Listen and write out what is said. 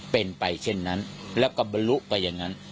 เป็นไปเช่นนั้นแล้วก็บรรลุไปอย่างนั้น